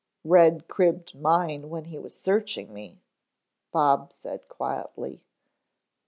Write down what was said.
"Red cribbed mine when he was searching me," Bob said quietly.